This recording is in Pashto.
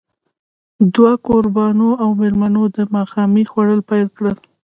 دوه کوربانو او مېلمنو د ماښامنۍ خوړل پيل کړل.